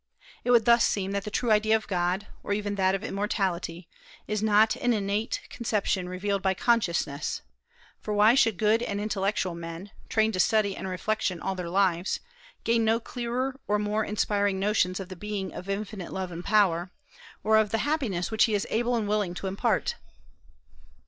It would thus seem that the true idea of God, or even that of immortality, is not an innate conception revealed by consciousness; for why should good and intellectual men, trained to study and reflection all their lives, gain no clearer or more inspiring notions of the Being of infinite love and power, or of the happiness which He is able and willing to impart?